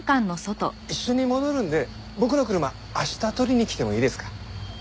一緒に戻るので僕の車明日取りに来てもいいですか？